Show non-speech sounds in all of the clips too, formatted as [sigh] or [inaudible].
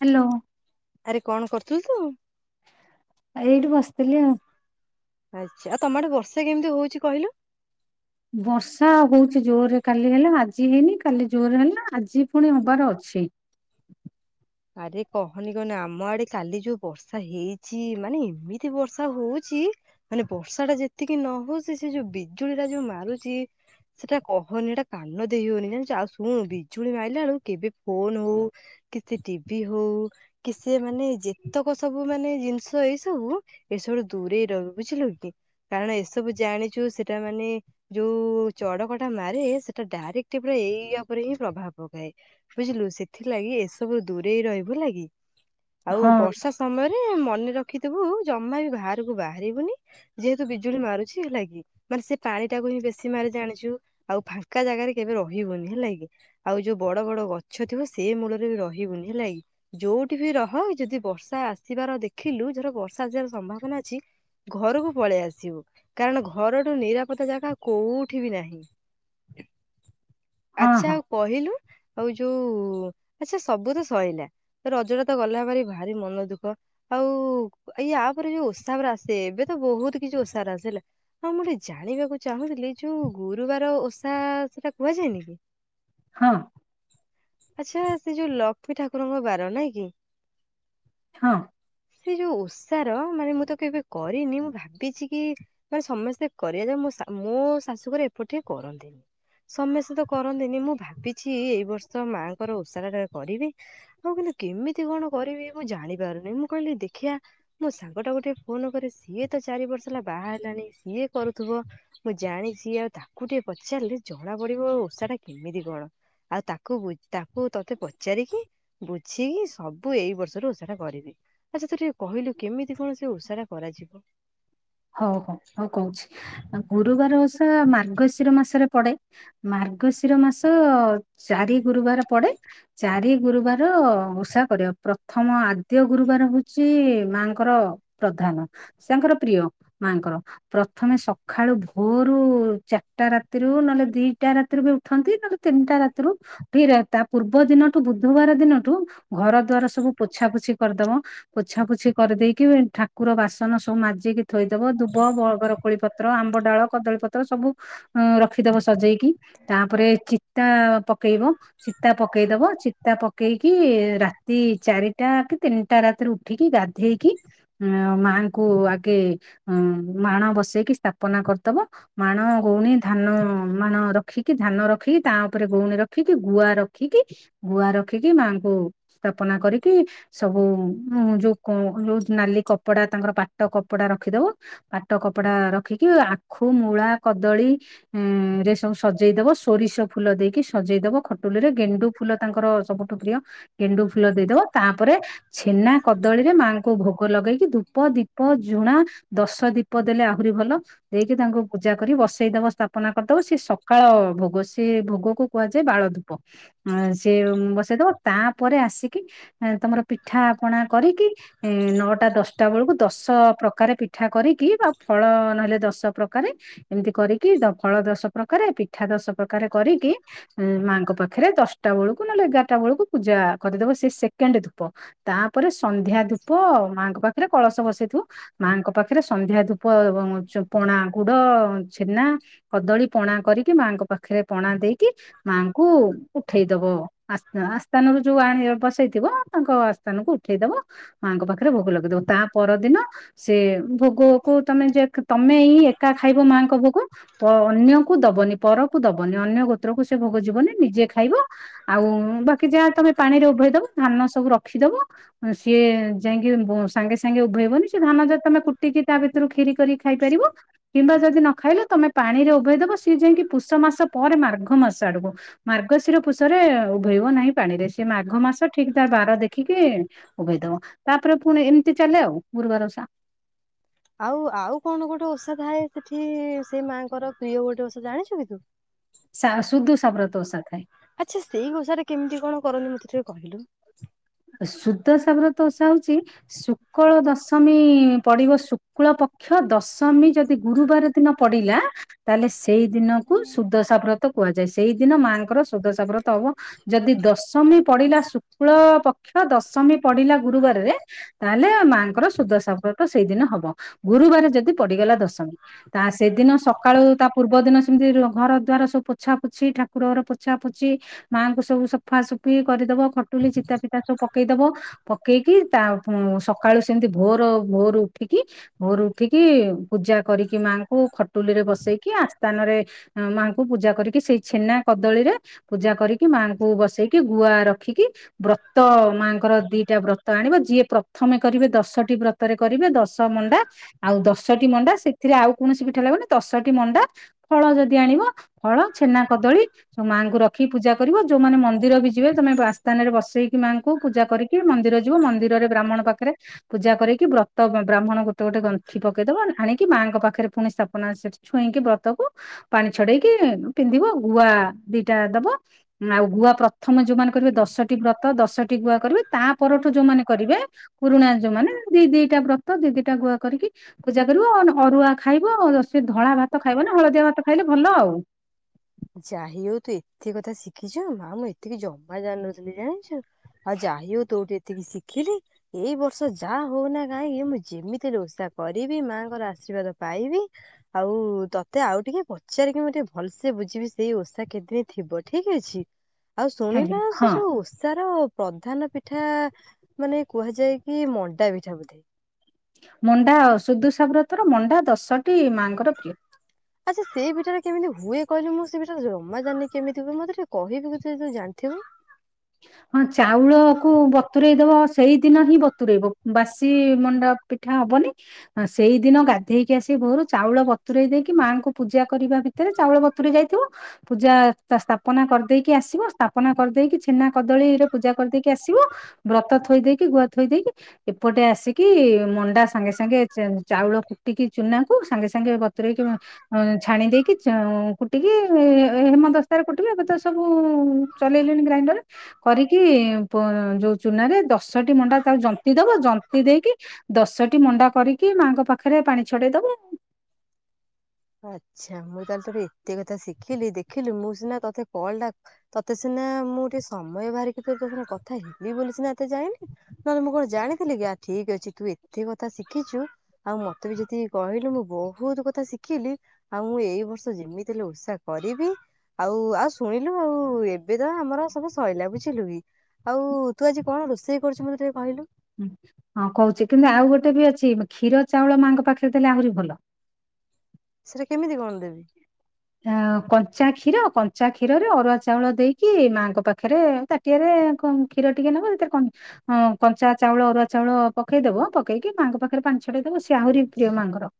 Hello. ଆରେ କଣ କରୁଥିଲୁ ତୁ? ଆ ଏଇଠି ବସିଥିଲି ଆଉ ଆଚ୍ଛା ଆଉ ତମ ଆଡେ ବର୍ଷା କେମିତି ହଉଛି କହିଲୁ ବର୍ଷା ହଉଛି ଜୋରରେ କାଲି ହେଲା ଆଜି ହେଇନି କାଲି ଜୋରରେ ହେଲା ଆଜି ପୁଣି ହବାର ଅଛି ଆରେ କହନି କହନି ଆମ ଆଡେ କାଲି ଯୋଉ ବର୍ଷା ହେଇଛି ମାନେ ଏମିତି ବର୍ଷା ହଉଛି ମାନେ ବର୍ଷା ଟା ଯେତିକି ନ ହଉଛି ସେ ଯୋଉ ବିଜୁଳି ଟା ଯୋଉ ମାରୁଛି ସେଟା କହନି ସେଇଟା କାନ ଦେଇ ହଉନି ଜାଣିଛ ଆଉ ଶୁଣୁ ବିଜୁଳି ମାରିଲା ବେଳକୁ କେବେ ଫୋନ ହଉ କି ଟିଭି ହଉ କି ସେମାନେ ଯେତକ ସବୁ ମାନେ ଜିନିଷ ଏଇ ସବୁ ଏ ସବୁଠୁ ଦୂରେଇ ରହିବୁ ବୁଝିଲୁ କି କାରଣ ଏସବୁ ଜାଣିଛୁ ସେଇଟା ମାନେ ଯୋଉ ଚଡକଟା ମାରେ ସେଟା ଡାଇରେକ୍ଟ ଏ ପା ଏଇଆ ଉପରେ ହିଁ ପ୍ରଭାବ ପକାଏ। ବୁଝିଲୁ ସେଥିଲାଗି ଏସବୁ ଦୂରେଇ ରହିବୁ ହେଲାଗି ଆଉ ହଁ ବର୍ଷା ସମୟରେ ମନେ ରଖିଥିବୁ ଜମା ବି ବାହାରକୁ ବାହାରିବୁନି ଯେହେତୁ ବିଜୁଳି ମାରୁଛି ହେଲା କିି ମାନେ ସେ ପାଣି ଟାକୁ ହିଁ ବେଶୀ ମାରେ ଜାଣିଛୁ ଆଉ ଫାଙ୍କା ଜାଗାରେ କେବେ ରହିବୁନି ହେଲା କି ଆଉ ଯୋଉ ବଡ ବଡ ଗଛ ଥିବ ସେଇ ମୂଳରେ ରହିବ ବୁନି ହେଲାଗି ଯୋଉଠି ବି ରହ ଯଦି ବର୍ଷା ଆସିବାର ଦେଖିଲୁ ଧର ବର୍ଷା ଆସିବାର ସମ୍ଭାବନା ଅଛି ଘରକୁ ପଳେଇ ଆସିବୁ କାରଣ ଘରଠୁ ନିରାପତ୍ତା ଜାଗା କୋଉଠି ବି ନାହିଁ ହଁ ଆଚ୍ଛା ହଁ ଆଉ କହିଲୁ ଆଉ ଯୋଉ ଆଚ୍ଛା ସବୁ ତ ସରିଲା ତ ରଜଟା ତ ଗଲା ଭାର ଭାରି ମନ ଦୁଃଖ ଆଉ ଏଇୟା ପରେ ଯୋଉ ଓସା ହେରା ଆସେ ଏବେ ତ ବହୁତ କିଛି ଓସା ହେରା ଆସେ ହେଲା ହଁ ମୁଁ ଗଟେ ଜାଣିବାକୁ ଚାହୁଁଥିଲି ଯୋଉ ଗୁରୁବାର ଓଷା ସେଟା କୁହାଯାଏ ନି କି? [unintelligible] ହଁ ଆଚ୍ଛା ସେ ଯୋଉ ଲକ୍ଷ୍ମୀ ଠାକୁରଙ୍କ ବାର ନାଇଁ କି? ହଁ ସେ ଯୋଉ ଓଷାର ମାନେ ମୁଁ ତ କେବେ କରିନି ମୁଁ ଭାବିଛି କି ମାନେ ସମସ୍ତେ କରିବା ଯେ ମୋ ଶାଶୁଘର ଏପଟ ଟିକେ କରନ୍ତିନି ସମସ୍ତେ ତ କରନ୍ତିନି ମୁଁ ଭାବିଛି ଏଇ ବର୍ଷ ମାଙ୍କର ଉଷାର ଟା କରିବି ହଉ କିନ୍ତୁ କେମିତି କଣ କରିବି ମୁଁ ଜାଣିପାରୁନି ମୁଁ କହିଲି ଦେଖିବା ମୋ ସାଙ୍ଗଟା ଗୋଟେ ଫୋନ କରେ ସିଏ ତ ଚାରି ବର୍ଷ ହେଲା ବାହା ହେଲାଣି ସିଏ କରୁଥିବ ମୁଁ ଜାଣିଛି ଆଉ ତାକୁ ଟିକେ ପଚାରିଲେ ଜଣା ପଡିବ ଓଷା ଟା କେମିତି କଣ ଆଉ ତାକୁ ବୁଝ ତା ମୁ ତତେ ପଚାରିକି ବୁଝିକି ସବୁ ଏଇ ବର୍ଷରୁ ଓଷା ଟା କରିବି ଆଚ୍ଛା ତ ଟିକେ କହିଲୁ କେମିତି କଣ ସେ ଉଷା ଟା କରାଯିବ? ହଉ ହଉ ହଉ କହୁଛି ଗୁରୁବାର ଓସା ମାର୍ଗଶିର ମାସରେ ପଡେ ମାର୍ଗଶିର ମାସ ଚାରି ଗୁରୁବାର ପଡେ ଚାରି ଗୁରୁବାର ଓଷା କରିବା ପ୍ରଥମ ଆଦ୍ୟ ଗୁରୁବାର ହଉଛି ମାଙ୍କର ପ୍ରଧାନ ସେଙ୍କର ପ୍ରିୟ ମାଙ୍କର ପ୍ରଥମେ ସକାଳୁ ଭୋରୁ ଚାରଟା ରାତିରୁ ନହେଲେ ଦିଟା ରାତିରୁ ବି ଉଠନ୍ତି ନହଲେ ତିନିଟା ରାତିରୁ ଉଠିକି ତା ପୂର୍ବ ଦିନଠୁ ବୁଧବାର ଦିନଠୁ ଘର ଦ୍ଵାର ସବୁ ପୋଛା ପୋଛି କରିଦବ ପୋଛା ପୋଛି କରିଦେଇକି ଠାକୁର ବାସନ ସବୁ ମାଜିକି ଥୋଇଦବ ଦୁବ ବର କୋଳି ପତ୍ର ଆମ୍ବ ଡାଳ କଦଳୀପତ୍ର ସବୁ ରଖିଦବ ସଜେଇକି ତାପରେ ଚିତା ପକେଇବ ଚିତା ପକେଇଦବ ଚିତା ପକ ପକେଇକି ରାତି ଚାରିଟା କି ତିନିଟା ରାତିରୁ ଉଠିକି ଗାଧେଇକି ଅ ମାଙ୍କୁ ଆଗେ ଅ ମାଣ ବସେଇକି ସ୍ଥାପନା କରିଦବ। ମାଣ ଗଉଣୀ ଧାନ ମାଣ ରଖିକି ଧାନ ରଖିକି ତା ଉପରେ ଗଉଣୀ ରଖିକି ଗୁଆ ରଖିକି ଗୁଆ ରଖିକି ମାଆଙ୍କୁ ସ୍ଥାପନା କରିକି ସବୁ ଉ ଯୋଉ କ ଯୋଉ ନାଲି କପଡା ତାଙ୍କର ପାଟ କପଡା ର ରଖିଦବ। ପାଟ କପଡା ରଖିକି ଆଖୁ, ମୂଳା, କଦଳୀ, ଉଁ ରେସବୁ ସଜେଇଦବ। ସୋରିଷ ଫୁଲ ଦେଇକି ସଜେଇଦବ, ଖଟୁଲି ରେ ଗେଣ୍ଡୁ ଫୁଲ ତାଙ୍କର ସବୁଠୁ ପ୍ରିୟ। ଗେଣ୍ଡୁ ଫୁଲ ଦେଇଦବ ତାପରେ ଛେନା କଦଳୀରେ ମାଆଙ୍କୁ ଭୋଗ ଲଗେଇକି ଧୂପ, ଦୀପ, ଝୁଣା ଦଶ ଦୀପ ଦେଲେ ଆହୁରି ଭଲ। ଦେଇକି ତାଙ୍କୁ ପୂଜା କରି ବସେଇ ଦବ ସ୍ଥାପନା କରିଦବ। ସେ ସକାଳ ଭୋଗ ସେ ଭୋଗକୁ କୁହାଯାଏ ବାଳ ଧୂପ। ସେଏ ବସେଇଦବ ତାପରେ ଆସିକି ତମର ପିଠାପଣା କରିକି ଏ ନଅଟା ଦଶଟା ବେଳକୁ ଦଶ ପ୍ରକାରେ ପି ପିଠା କରିକି ବା ଫଳ ନହେଲେ ଦଶ ପ୍ରକାର ଏମିତି କରିକି ଫଳ ଦଶ ପ୍ରକାରେ ପିଠା ଦଶ ପ୍ରକାର କରିକି ମାଆଙ୍କ ପା ପାଖରେ ଦଶଟା ବେଳକୁ ନହେଲେ ଏଗାରଟା ବେଳକୁ ପୂଜା କରିଦବ ସେ ସେକେଣ୍ଡ ଧୂପ। ତାପରେ ସନ୍ଧ୍ୟା ଧୂପ ମାଙ୍କ ପାଖରେ କଳସ ବସେଇଥବ। ମାଆଙ୍କ ପାଖରେ ସନ୍ଧ୍ୟା ଧୂପ ପଣା, ଗୁଡ, ଛେନା କଦଳୀ ପଣା କରିକି ମାଆଙ୍କ ପାଖରେ ପଣା ଦେଇକି ମାଙ୍କୁ ଉଠେଇଦବ ଆସ୍ଥାନରୁ ଯୋଉ ଆଣି ବସେଇଥିବ ତାଙ୍କ ଆସ୍ଥାନକୁ ଉଠେଇଦବ। ମାଙ୍କ ପାଖରେ ଭୋଗ ଲଗେଇଦବ। ତା ପରଦିନ ସେ ଭୋଗକୁ ତମେ ତମେ ହିଁ ଏକା ଖାଇବ ମାଙ୍କ ଭୋଗ। ପ ଅନ୍ୟ କୁ ଦବନି ପରକୁ ଦବନି ଅନ୍ୟ ଗୋତ୍ରକୁ ସେ ଭୋଗ ଯିବନି ନିଜେ ଖାଇବ। ଆଉ ବାକି ଯାହା ତମେ ପାଣିରେ ଉଭେଇ ଦବ। ଧାନ ସବୁ ରଖିଦବ। ସିଏ ଯାଇକି ସାଙ୍ଗେ ସାଙ୍ଗେ ଉଭେଇବନି। ସେ ଧାନ ଯଦି ତମେ କୁ ଟିକି ତା ଭିତରୁ ଖିରି କରିି ଖାଇପାରିବ। କିମ୍ବା ଯଦି ନ ଖାଇଲ ତମେ ପାଣିରେ ଉଭେଇ ଦବ ସିଏ ଯାଇକି ପୁଷ ମାସ ପରେ ମାର୍ଘ ମାସ ଆଡକୁ। ମାର୍ଗଶିର ପୁଷରେ ଉଭେଇବ ନାହିଁ। ପାଣିରେ ସେ ମାଘ ମାସ ଠିକ ତା ବାର ଦେଖିକି ଉଭେଇ ଦବ। ତାପରେ ପୁଣି ଏମିତି ଚାଲେ ଆଉ ଗୁରୁବାର ଓଷା। ଆଉ ଆଉ କଣ ଗୋଟେ ଓଷା ଥାଏ ସେଠି ସେ ମାଆଙ୍କର ପ୍ରିୟ ଗୋଟେ ଓଷା ଜାଣିଛୁ କି ତୁ? ଶାସୁଦସାବ୍ରତ ଓଷା ଥାଏ। ଆଚ୍ଛା ସେଇ ଓଷାରେ କେମିତି କଣ କରନ୍ତି ମତେ ଟିକେ କହିଲୁ? ସୁଦସାବ୍ରତ ଓଷା ହଉଛି ଶୁକ୍ଳ ଦଶମୀ ପଡିବ ଶୁକ୍ଳ ପକ୍ଷ ଦଶମୀ ଯଦି ଗୁରୁବାର ଦିନ ପଡିଲା ତାହେଲେ ସେଇ ଦିନକୁ ସୁଦଶା ସାବ୍ରତ କୁହାଯାଏ। ସେଇଦିନ ମାଆଙ୍କର ସୁଦସାବ୍ରତ ହବ। ଯଦି ଦଶମୀ ପଡିଲା ଶୁକ୍ଳ ପକ୍ଷ ଅକ୍ଷ ଦଶମୀ ପଢିଲା ଗୁରୁବାରରେ ତାହେଲେ ମାଆଙ୍କର ସୁଦସା ବ୍ରତ ସେଇଦିନ ହବ ଗୁରୁବାର ଯଦି ପଡିଗଲା ଦଶମୀ। ତା ସେଦିନ ସକାଳୁ ତା ପୂର୍ବ ଦିନ ସେମିତି ଘର ଦ୍ଵାର ସବୁ ପୋଛା ପୋଛି ଠାକୁର ଘର ପୋଛା ପୋଛି ମାଆଙ୍କୁ ସବୁ ସଫାସଫି କରିଦବ। ଖଟୁଲି ଚିତା ଫିତା ଚିତା ସବୁ ପକେଇଦବ ପକେଇକି ତା ସକାଳୁ ସେମିତି ଭୋର ଭୋରୁ ଉଠିକି ଭୋର ଉଠିକି ପୂଜା କରିକି ମାଙ୍କୁ ଖଟୁଲି ରେ ବସେଇକି ଆସ୍ଥାନ ରେ ମାଙ୍କୁ ପୂଜା କରିକି ସେଇ ଛେନା କଦଳୀରେ ପୂଜା କରିକି ମାଆଙ୍କୁ ବସେଇକି ଗୁଆ ରଖିକି ବ୍ର ତ ମାଆଙ୍କର ଦିଟା ବ୍ରତ ଆଣିବ ଯିଏ ପ୍ରଥମେ କରିବେ ଦଶଟି ବ୍ରତରେ କରିବେ ଦଶ ମଣ୍ଡା ଆଉ ଦଶଟି ମଣ୍ଡା ସେଥିରେ ଆଉ କୌଣସି ପିଠା ଲାଗୁନି ଦଶଟି ମଣ୍ଡା ଫଳ ଯଦି ଆଣିବ ଫଳ, ଛେନା, କଦଳୀ ସ ମାଆଙ୍କୁ ରଖି ପୂଜା କରିବ, ଯୋଉମାନେ ମନ୍ଦିର ବି ଯିବେ ତମେ ଆସ୍ଥାନରେ ବସେଇକି ମାଙ୍କୁ ପୂଜା କରିକି ମନ୍ଦିର ଯିବ ମନ୍ଦିରରେ ବ୍ରାହ୍ମଣ ପାଖରେ ପୂଜା କରିକି ବ୍ରତ ବ୍ରାହ୍ମଣ ଗୋଟେ ଗୋଟେ ଗଣ୍ଠି ପକେଇଦବ ଆଣିକି ମାଆଙ୍କ ପାଖରେ ପୁଣି ସ୍ଥାପନା ସେଠି ଛୁଏଁଇକି ବ୍ରତକୁ ପାଣି ଛଡେଇକି ପିନ୍ଧିବ ଗୁଆ ଦିଟା ଦବ ଆଉ ଗୁଆ ପ୍ରଥମ ଯୋଉମାନେ କରିବେ ଦଶଟି ବ୍ର ତ ଦଶଟି ଗୁଆ କରିବେ, ତା ପରଠୁ ଯୋଉମାନେ କରିବେ ପୁରୁଣା ଯୋଉମାନେ ଦି ଦିଟା ବ୍ରତ ଦି ଦିଟା ଗୁଆ କରିକି ପୂଜା କରିବ ଅରୁଆ ଖାଇବ ଆ ସେ ଧଳା ଭାତ ଖାଇବନି ହଳଦିଆ ଭାତ ଖାଇଲେ ଭଲ ଆଉ। ଯାହାଇ ହଉ ତୁ ଏତେ କଥା ଶିଖିଛୁ ମା ମୁଁ ଏତିକି ଜମା ଜାଣିନଥିଲି ଜାଣିଛୁ। ଆଉ ଯାହାଇ ହଉ ତୋଠୁ ଏତିକି ଶିଖିଲି। ଏଇ ବର୍ଷ ଯାହା ହଉନା କାହିଁକି ମୁଁ ଯେମିତି ରେ ଓଷା କରିବି ମାଆଙ୍କର ଆଶୀର୍ବାଦ ପାଇବି। ଆଉ ତତେ ଆଉ ଟିକେ ପଚାରିକି ମୁଁ ଟିକେ ଭଲସେ ସେ ବୁଝିବି ସେଇ ଓଷା କେତେ ଥିବ ଠିକ ଅଛି, ଆଉ ଆଜ୍ଞା ଶୁଣିଲୁ ସେ ହଁ। ଯୋଉ ଓଷାର ପ୍ରଧାନ ପିଠା ମାନେ କୁହାଯାଏ କି ମଣ୍ଡା ପିଠା ବୋଧେ। ମଣ୍ଡା ସୁଦଶା ବ୍ରତ ର ମଣ୍ଡା ଦଶଟି ମା ଙ୍କର ପ୍ରିୟ। ଆଚ୍ଛା ସେଇ ପିଠା ଟା କେମିତି ହୁଏ କହିଲୁ, ମୁଁ ସେ ପିଠା ଟା ଜମା ଜାଣିନି କେମିତି ହୁଏ, ମତେ ଟିକେ କହିବୁ କିଛି ଯଦି ଜାଣିଥିବୁ। ହଁ ଚାଉଳକୁୁ ବତୁରଇ ଦବ ସେଇଦିନ ହିଁ ବତୁରଇବ ବାସି ମଣ୍ଡା ପିଠା ହବନି। ହଁ ସେଇଦିନ ଗାଧେଇକି ଆସି ଭୋରୁ ଚାଉଳ ବତୁରଇ ଦେଇକି ମାଆଙ୍କୁ ପୂଜା କରିବା ଭି ତରେ ଚାଉଳ ବତୁୁରୀ ଯାଇଥିବ ପୂଜା ସ୍ଥାପନା କରିଦେଇକି ଆସିବ ସ୍ଥାପନା କରିଦେଇକି ଛେନା କଦଳୀ ରେ ପୂଜା କରିଦେଇକି ଆସିବ ବ୍ରତ ଥୋଇ ଦେଇକି ଗୁଆ ଥୋଇ ଦେଇକି ଏପଟେ ଆସିକି ମଣ୍ଡା ସାଙ୍ଗେ ସାଙ୍ଗେ ଚ ଚାଉଳ କୁଟିକି ଚୁନାକୁ ସାଙ୍ଗେ ସାଙ୍ଗେ ବତୁରେଇକି ଅଁ ଛାଣି ଦେଇକି ଚା କୁଟିକି ହେମ ଦସ୍ତାରେ କୁଟିକି ଏବେ ତ ସବୁ ଚଲେଇଲେଣି ଗ୍ରାଇଣ୍ଡର କରିକି ପୁ-ଯୋଉ ଚୁନାରେ ଦଶଟି ମଣ୍ଡା ତା ଜନ୍ତି ଦବ ଜନ୍ତି ଦେଇକି ଦଶଟି ମଣ୍ଡା କରି କି ମାଆଙ୍କ ପାଖରେ ପାଣି ଛଡେଇ ଦବ। ଆଚ୍ଛା ମୁଁ ତାହେଲେ ତୋଠୁ ଏତେ କଥା ଶିଖିଲି ଦେଖିଲି ମୁଁ ସିନା ତୋତେ କଲ୍ ଟା ତତେ ସିନା ମୁଁ ଟିକେ ସମୟ ବାହାରିକି ତତେ ସିନା କଥା ହେବି ବୋଲି ସିନା ଏତେ ଯାଁଇଲି। ନହେଲେ ମୁଁ କଣ ଜାଣିଥିଲି କି ଆ ଠିକ ଅଛି ତୁ ଏତେ କଥା ଶିଖିଛୁ ଆଉ ମତେ ବି ଯେତିକି କହିଲୁ ମୁଁ ବହୁତ କଥା ଶି ଖିଲି ଆଉ ମୁଁ ଏଇ ବର୍ଷ ଯେମିତି ହେଲେ ଓଷା କରିବି ଆଉ ଆଉ ଶୁଣିଲୁ ଆଉ ଏବେ ତ ଆମର ସବୁ ସଇଲା, ବୁଝିଲୁ କି? ଆଉ ତୁ ଆଜି କଣ ରୋଷେଇ କରିଛୁ ମତେ ଟିକେ କହିଲୁ? ହୁଁ ହଁ କହୁଛି କିନ୍ତୁ ଆଉ ଗୋଟେ ବି ଅଛି କ୍ଷୀର ଚାଉଳ ମାଙ୍କ ପାଖରେ ଦେଲେ ଆହୁରି ଭଲ। ସେଟା କେମିତି କଣ ଦେବି? ଆ କଞ୍ଚା କ୍ଷୀର କଞ୍ଚା କ୍ଷୀରରେ ଅରୁଆ ଚାଉଳ ଦେଇକି ମାଙ୍କ ପାଖରେ ତା ଟିଆରେ କଅ କ୍ଷୀର ଟିକେ ନେବ ସେଥିରେ କ ହଁ କଞ୍ଚା ଚାଉଳ ଅରୁଆ ଚାଉଳ ପକେଇଦବ ପକେଇକି ମାଙ୍କ ପାଖରେ ପାଣି ଛଡେଇଦେବ ସିଏ ଆହୁରି ପ୍ରିୟ ମାଁ ଙ୍କର।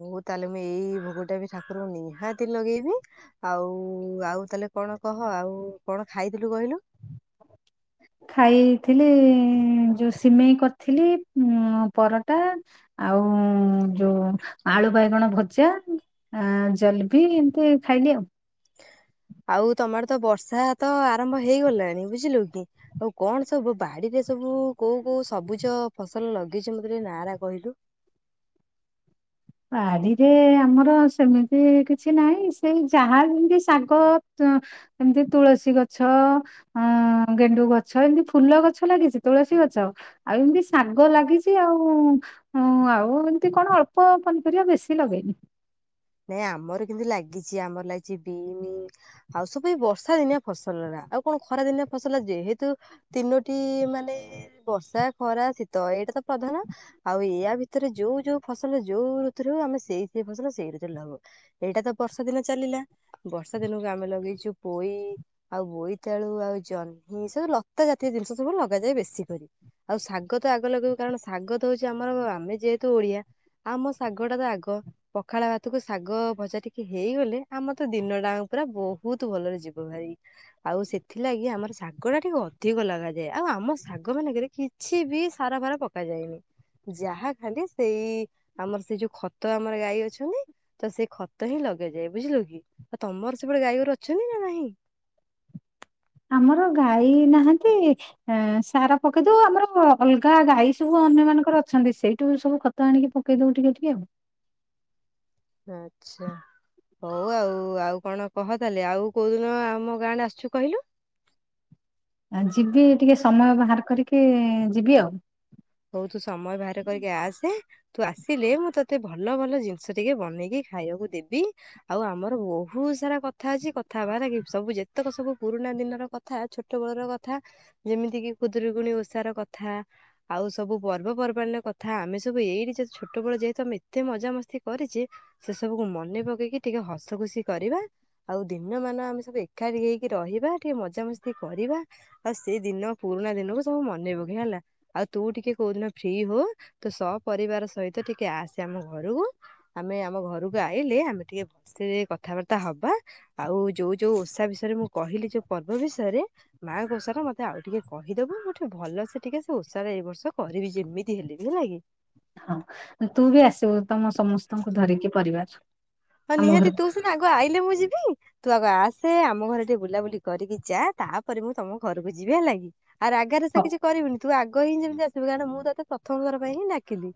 ହଉ ହଉ ତାହେଲେ ମୁଁ ଏଇ ଭୋଗଟା ବି ଠାକୁରଙ୍କୁ ନିହାତି ଲଗେଇବି। ଆଉ ଆଉ ତାହେଲେ କଣ କହ ଆଉ କଣ ଖାଇଥିଲୁ କହିଲୁ? ଖାଇଥିଲି ଯୋଉ ସିମେଇ କରିଥିଲି ଉଁ ପରଟା ଆଉଁ ଯୋଉ ଆଳୁ ବାଇଗଣ ଭଜା। ଆଁ ଜଲପି ଏମିତି ଖାଇଲି ଆଉ। ଆଉ ତମ ଆଡେ ତ ବର୍ଷା ତ ଆରମ୍ଭ ହେଇଗଲାଣି। ବୁଝିଲୁ କି? ଆଉ କଣ ସବୁ ବାଡିରେ ସବୁ କୋଉ କୋଉ ସବୁଜ ଫସଲ ଲଗେଇଛ। ମତେ ଟିକେ ନା ଟା କହିଲୁ? ବାଡିରେ ଆମର ସେମିତି କିଛି ନାହିଁ। ସେଇ ଯାହା ଯେମିତି ଶାଗ ଏମିତି ତୁଳସୀ ଗଛ। ଅଁ ଗେଣ୍ଡୁ ଗଛ ଏମିତି ଫୁଲ ଗଛ ଲାଗିଛି। ତୁଳସୀ ଗଛ ଆଉ ଏମିତି ଶାଗ ଲାଗିଛି ଆଉ। ଆଉ ଏମିତି କଣ ଅଳ୍ପ ପନିପରିବା ବେଶୀ ଲଗେଇନି। ନାଇଁ ଆମର କିନ୍ତୁ ଲାଗିଛି। ଆମର ଲାଗିଛି ବିନି ଆଉ ସବୁ ଏ ବର୍ଷା ଦିନିଆ ଫସଲ ରା। ଆଉ କଣ ଖରା ଦିନିଆ ଫସଲ ଯେହେତୁ ତିନୋଟି ମାନେ ବର୍ଷା, ଖରା, ଶୀତ ଏଇଟା ତ ପ୍ରଧାନ। ଆଉ ଏୟା ଭିତରେ ଯୋଉ ଯୋଉ ଫସଲ ଯୋଉ ଋତୁରୁ। ଆମେ ସେଇ ସେଇ ଫସଲ ସେଇ ଋତୁ ହେଲା ଆଉ, ଏଇଟା ତ ବର୍ଷା ଦିନ ଚାଲିଲା। ବର୍ଷା ଦିନକୁ ଆମେ ଲଗେଇଛୁ ପୋଇ ଆଉ ବୋଇତାଳୁ ଆଉ ଜହ୍ନି। ସବୁ ଲତା ଜାତୀୟ ଜିନିଷ ସବୁ ଲଗାଯାଏ ବେଶୀ କରି। ଆଉ ଶାଗ ତୋ ଆଗ ଲଗାଇବୁ। କାରଣ ଶାଗ ତ ହଉଛି ଆମର, ଆମେ ଯେହେତୁ ଓଡିଆ ଆମ ଶାଗଟା ତ ଆଗ। ପଖାଳ ଭା ତକୁ ଶାଗ ଭଜା ଟିକେ ହେଇଗଲେ। ଆମର ତ ଦିନ ଟା ପୁରା ବହୁତ ଭଲରେ ଯିବ ଭାଇ। ଆଉ ସେଥିଲାଗି ଆମର ଶାଗ ଟା ଟିକେ ଅଧିକ ଲଗାଯାଏ। ଆଉ ଆମ ଶାଗ ମାନଙ୍କରେ କି କିଛି ବି ସାର ଫାର ପକା ଯାଏନି। ଯାହା ଖାଲି ସେଇ ଆମର ସେ ଯୋଉ ଖତ ଆମର ଗାଈ ଅଛନ୍ତି। ତ ସେ ଖତ ହିଁ ଲଗାଯାଏ। ବୁଝିଲୁ କି, ତମର ସେପଟେ ଗାଈଗୋର ଅଛନ୍ତି ନା ନାହିଁ? ଆମର ଗାଈ ନାହାନ୍ତି ଏଁ ସାର ପକାଇଦେଉ। ଆମର ଅଲଗା ଗାଈ ସବୁ ଅନ୍ୟ ମାନଙ୍କର ଅଛନ୍ତି। ସେଇଠୁ ସବୁ କଥା ତ ଆଣି ପକେଇଦବୁ ଟିକ ଟିକେ। ଆଚ୍ଛା। ହଉ ଆଉ ଆଉ କଣ କହ ତାହେଲେ? ଆଉ କୋଉ ଦିନ ଆମ ଗାଁଆଡେ ଆସୁଛୁ କହିଲୁ? ଆ ଜିବି ଟିକେ ସମୟ ବାହାର କରିକି ଯିବି ଆଉ। ହଉ ତୁ ସମୟ ବାହାର କରିକି ଆସେ। ତୁ ଆସିଲେ ମୁଁ ତୋତେ ଭଲ ଭଲ ଜିନିଷ ଟିକେ ବନେଇକି ଖାଇବାକୁ ଦେବି। ଆଉ ଆମର ବହୁତ ସାରା କଥା ଅଛି କଥାହେବା ନାଇକି। ଯେତେକ ସବୁ ପୁରୁଣା ଦିନର କ କଥା ଛୋଟ ବେଳର କଥା। ଯେମିତି କିି ଖୁଦୁରୁକୁଣୀ ଓଷାର କଥା। ଆଉ ସବୁ ପର୍ବପର୍ବାଣିର କଥା। ଆମେ ସବୁ ଏଇଠି ଯେ ଛୋଟ ବେଳ ଯେହେତୁ ଆମେ ଏତେ ମଜାମସ୍ତି କରିଛେ ସେ ସବୁକୁ ମନେ ପକେଇକି ଟିକେ ହସ ଖୁସି କରିବା। ଆଉ ଦିନମାନ ଆମେ ସବୁ ଏକାଠି ହେଇକି ରହିବା। ଟିକେ ମଜାମସ୍ତି କରିବା। ଆଉ ସେଇ ଦିନ ପୁରୁଣା ଦିନକୁ ସବୁ ମନେ ପକାଇବା ହେଲା। ଆଉ ତୁ ଟିକେ କୋଉଦିନ ଫ୍ରି ହ। ତୁ ସପରିବାର ସହିତ ଟିକେ ଆସେ ଆମ ଘରକୁ। ଆମେ ଆମ ଘରକୁ ଆଇଲେ। ଆମେ ଟିକେ ବସିଲେ କଥାବାର୍ତ୍ତା ହବା। ଆଉ ଯୋଉ ଯୋଉ ଓଷା ବିଷୟରେ ମୁଁ କହିଲି। ଯୋଉ ପର୍ବ ବିଷୟରେ ମାଁଙ୍କ ଓଷା ଟା ମତେ ଆଉ ଟିକେ କହିଦେବୁ। ମୁଁ ଠି ଭଲ ସେ ଟିକେ ଓଷାରେ ଏ ବର୍ଷ କରିବି ଯେମିତି ହେଲେ ବି। ହେଲା କି? ହଁ ତୁ ବି ଆସିବୁ। ତମ ସମସ୍ତଙ୍କୁ ଧରିକି ପରିବାର। ହଁ ଆମ ନିହାତି ଘରକୁ ତୁ ସିନା ଆଗ ଆଇଲେ ମୁଁ ଯିବି। ତୁ ଆଗ ଆସେ ଆମ ଘରେ ଟିକେ ବୁଲାବୁଲି କରିକି ଯା। ତାପରେ ମୁଁ ତମ ଘରକୁ ଯିବି ହେଲା କି। ଆର୍ ରାଗା ରୁଷା ହଉ କିଛି କରିବୁନି। ତୁ ଆଗ ହିଁ ଯେମିତି ଆସିବୁ। କାରଣ ମୁଁ ତୋତେ ପ୍ରଥମ ଥର ପାଇଁ ହି ଡାକିଲି।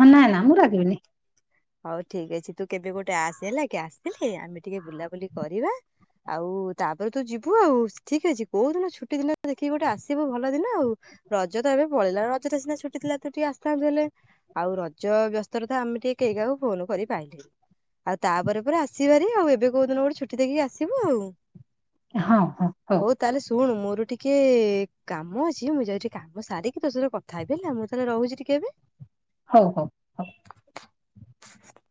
ହଁ ନା ନା ମୁଁ ରାଗିବିନି। ହଉ ଠିକ ଅଛି। ତୁ କେବେ ଗୋଟେ ଆସ ହେଲା କି। ଆସିଲେ ଆମେ ଟିକେ ବୁଲାବୁଲି କରିବା। ଆଉ ତାପରେ ତୁ ଯିବୁ ଆଉ ଠିକ ଅଛି। କୋଉ ଦିନ ଛୁଟି ଦିନ ଦେଖିକି ଗୋଟେ ଆସିବୁ ଭଲ ଦିନ ଆଉ। ରଜ ତ ଏବେ ପଳେଇଲା। ରଜଟା ସିନା ଛୁଟିଥିଲା ତୁ ଟିକେ ଆସିଥାନ୍ତୁ ହେଲେ? ଆଉ ରଜ ବ୍ୟସ୍ତରେ ତୋ ଆମେ ଟିକେ କେହି କାହାକୁ ଫୋନ କରି ପାରିଲୁନି। ଆଉ ତାପରେ ପରେ ଆସିବ ହେରି ଆଉ ଏବେ କୋଉ ଦିନ ଗୋଟେ ଛୁଟି ଦେଖିକି ଆସିବୁ ଆଉ। ହଁ ହଁ ହୋଉ। ହଉ ତାହେଲେ ଶୁଣୁ ମୋର ଟିକେ କାମ ଅଛି ମୁଁ ଯାଉଛି କାମ ସାରିକି ତୋ ସହିତ କଠାହେବି ହେଲା, ମୁଁ ତାହେଲେ ରହୁଛି ଟିକେ ଏବେ। ହଉ ହଉ। ହଉ [unintelligible]